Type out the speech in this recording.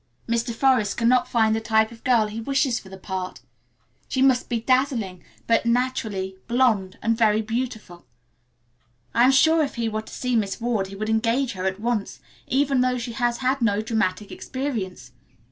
Mr. Forest cannot find the type of girl he wishes for the part. She must be dazzlingly, but naturally, blonde and very beautiful. I am sure if he were to see Miss Ward he would engage her at once, even though she has had no dramatic experience.